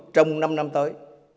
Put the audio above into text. trong năm năm tới